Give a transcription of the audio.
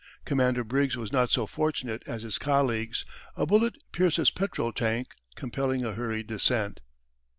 Commander Briggs was not so fortunate as his colleagues; a bullet pierced his petrol tank, compelling a hurried descent.